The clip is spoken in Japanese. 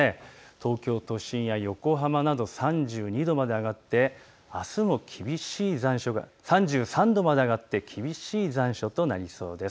東京都心や横浜などあすも３３度まで上がって厳しい残暑となりそうです。